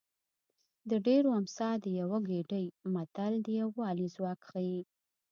د ډېرو امسا د یوه ګېډۍ متل د یووالي ځواک ښيي